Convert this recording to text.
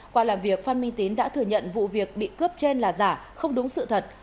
qua làm việc phan minh tín đã thừa nhận vụ việc bị cướp trên là giả không đúng sự thật